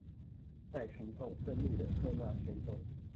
在群眾憤怒的喝罵聲中